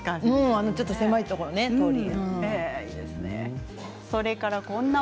ちょっと狭いところの通り。